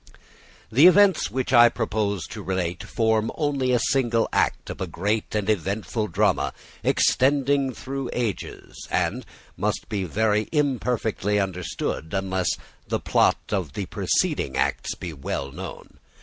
The events which I propose to relate form only a single act of a great and eventful drama extending through ages, and must be very imperfectly understood unless the plot of the preceding acts be well known.